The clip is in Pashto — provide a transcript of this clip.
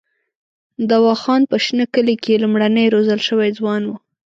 دوا خان په شنه کلي کې لومړنی روزل شوی ځوان وو.